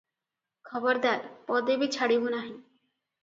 ଖବରଦାର! ପଦେ ବି ଛାଡିବୁ ନାହିଁ ।"